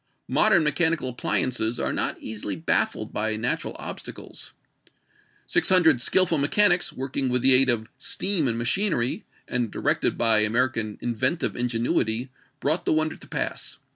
Modern mechanical appliances are not easily baffled by natural obstacles. Six hundred skillful mechanics working with the aid of steam and machinery, and directed by American inventive ingenuity, brought the wonder to pass.